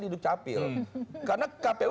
hidup capil karena kpu